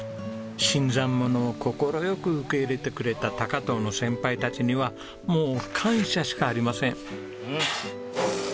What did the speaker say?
新参者を快く受け入れてくれた高遠の先輩たちにはもう感謝しかありません。